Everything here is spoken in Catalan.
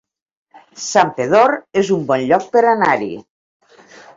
Santpedor es un bon lloc per anar-hi